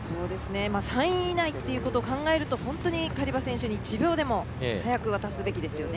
３位以内ということを考えると本当にカリバ選手に１秒でも速く渡すべきですよね。